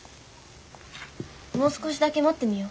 もう少しだけ待ってみよ。